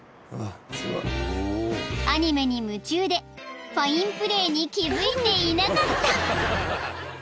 ［アニメに夢中でファインプレーに気付いていなかった］